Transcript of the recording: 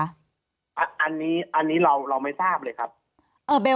อันนี้เราไม่ทราบเลยครับ